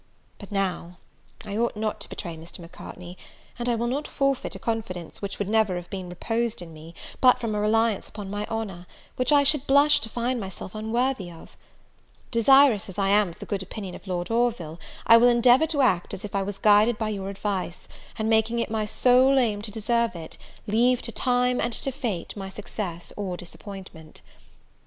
But now, I ought not to betray Mr. Macartney, and I will not forfeit a confidence which would never have been reposed in me, but from a reliance upon my honour, which I should blush to find myself unworthy of. Desirous as I am of the good opinion of Lord Orville, I will endeavour to act as if I was guided by your advice; and, making it my sole aim to deserve it, leave to time and to fate my success or disappointment.